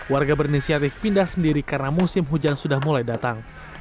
warga berinisiatif pindah sendiri karena musim hujan sudah mulai datang